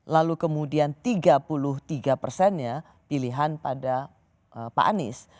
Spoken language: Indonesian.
lalu kemudian tiga puluh tiga persennya pilihan pada pak anies